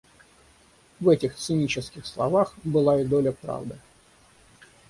В этих цинических словах была и доля правды.